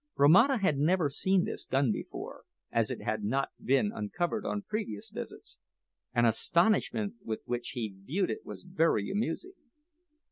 Romata had never seen this gun before, as it had not been uncovered on previous visits, and the astonishment with which he viewed it was very amusing.